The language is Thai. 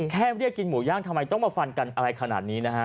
แค่เรียกกินหมูย่างทำไมต้องมาฟันกันอะไรขนาดนี้นะฮะ